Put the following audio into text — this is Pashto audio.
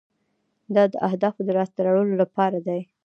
دا د اهدافو د لاسته راوړلو لپاره دی.